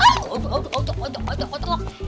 aduh aduh aduh